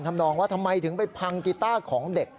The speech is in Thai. นองว่าทำไมถึงไปพังกีต้าของเด็ก